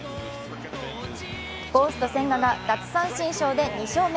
ゴースト千賀が奪三振ショーで２勝目。